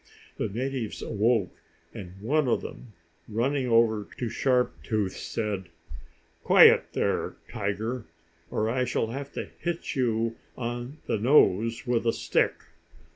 The natives awoke, and one of them, running over to Sharp Tooth, said: "Quiet here, tiger, or I shall have to hit you on the nose with a stick!"